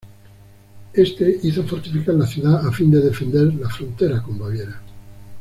Este hizo fortificar la ciudad a fin de defender la frontera con Baviera.